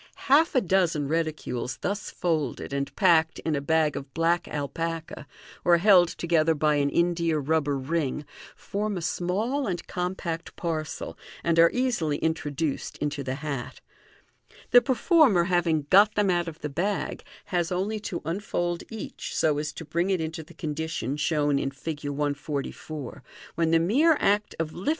Half a dozen reticules thus folded, and packed in a bag of black alpaca, or held together by an india rubber ring, form a small and compact parcel, and are easily introduced into the hat. The peiformer having got them out of the bag, has only to unfold each, so as to bring it into the condition shown in Fig. 144, when the mere act of lifting Fig. 142. Fig. 143. Fig.